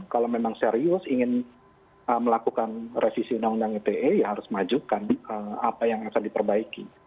kalau memang serius ingin melakukan revisi undang undang ite ya harus majukan apa yang akan diperbaiki